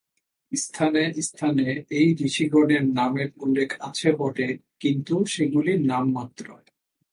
স্থানে স্থানে এই ঋষিগণের নামের উল্লেখ আছে বটে, কিন্তু সেগুলি নামমাত্র।